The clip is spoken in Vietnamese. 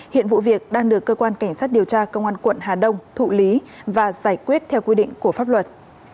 hiện vụ việc đang được cơ quan cảnh sát điều tra công an quận hà đông thụ lý và giải quyết theo quy định của pháp luật